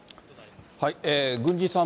郡司さん